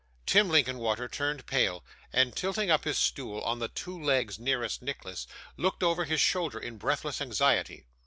Tim Linkinwater turned pale, and tilting up his stool on the two legs nearest Nicholas, looked over his shoulder in breathless anxiety.